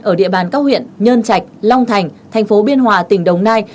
ở địa bàn các huyện nhơn trạch long thành thành phố biên hòa tỉnh đồng nai